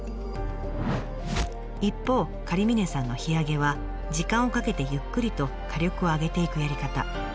一方狩峰さんの火あげは時間をかけてゆっくりと火力を上げていくやり方。